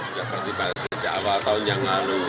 sudah pernah sejak awal tahun yang lalu